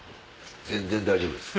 全然大丈夫です。